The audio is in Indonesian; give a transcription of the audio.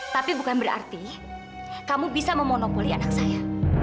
tapi bukan berarti kamu bisa memonopoli anak saya